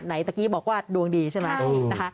ตะกี้บอกว่าดวงดีใช่ไหมนะคะ